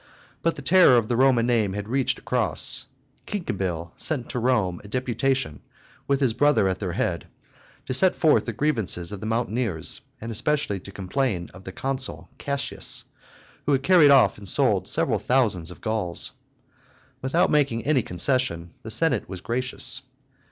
But the terror of the Roman name had reached across. Cincibil sent to Rome a deputation, with his brother at their head, to set forth the grievances of the mountaineers, and especially to complain of the consul Cassius, who had carried off and sold several thousands of Gauls. Without making any concession, the Senate was gracious.